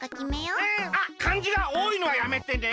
うん！あっかんじがおおいのはやめてね！